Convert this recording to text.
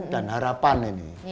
dan harapan ini